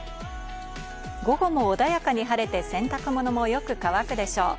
午後も穏やかに晴れて洗濯物もよく乾くでしょう。